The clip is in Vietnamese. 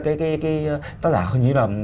cái tác giả hình như là